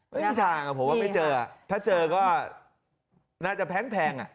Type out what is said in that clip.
ไม่มีทางผมว่าไม่เจอถ้าเจอก็น่าจะแพงอ่ะ